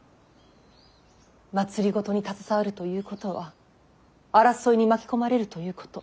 政に携わるということは争いに巻き込まれるということ。